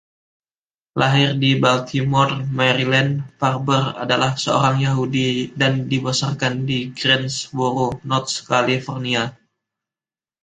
Lahir di Baltimore, Maryland, Farber adalah seorang Yahudi dan dibesarkan di Greensboro, North Carolina.